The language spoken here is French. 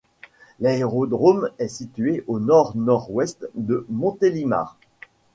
L'aérodrome est situé à Nord-Nord-Ouest de Montélimar.